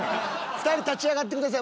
２人立ち上がってください。